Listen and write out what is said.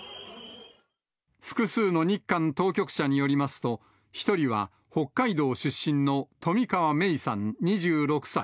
複数の日韓当局者によりますと、１人は北海道出身の冨川芽生さん２６歳。